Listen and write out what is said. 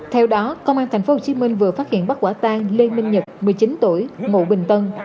theo đó công an tp hcm vừa phát hiện bắt quả tang lê minh nhật một mươi chín tuổi ngụ bình tân